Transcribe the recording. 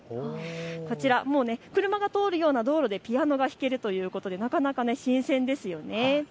こちら車が通るような道路でピアノが弾けるということでなかなか新鮮ですよね。